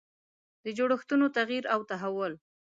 د جوړښتونو تغییر او تحول.